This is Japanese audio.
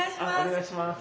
お願いします。